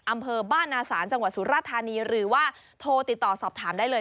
อำเภอบ้านนาศาลจังหวัดสุราธานีหรือว่าโทรติดต่อสอบถามได้เลย